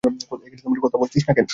কথা বলছিস না কেন?